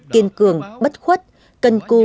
kiên cường bất khuất cân cư